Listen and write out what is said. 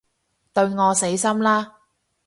對我死心啦